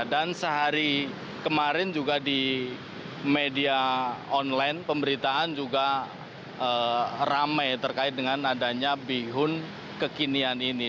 dan sehari kemarin juga di media online pemberitaan juga rame terkait dengan adanya bihun kekinian ini